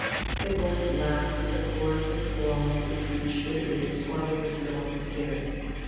They both laughed at the chorus of squalls which reached their ears while they were still on the stairs.